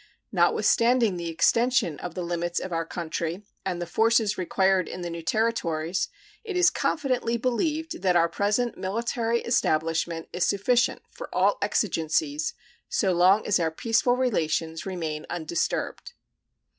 Notwithstanding the extension of the limits of our country and the forces required in the new territories, it is confidently believed that our present military establishment is sufficient for all exigencies so long as our peaceful relations remain undisturbed.